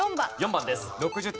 ２番です。